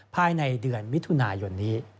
ภายในเดือนมิถุนายนนี้